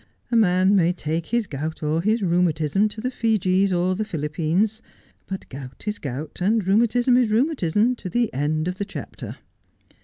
A man may take his gout or his rheumatism to the Fijis or the Philippines : but gout is gout and rheumatism is rheumatism to the end of the chapter.'